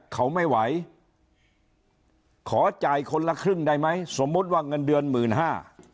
เขาไม่ไหวขอจ่ายคนละครึ่งได้ไหมสมมุติว่าเงินเดือนหมื่นห้า